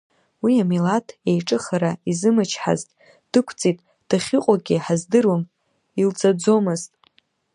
Уи амилаҭ еиҿыхара изымычҳазт, дықәҵит, дахьыҟоугьы ҳаздыруам, илӡаӡомызт.